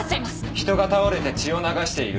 人が倒れて血を流している。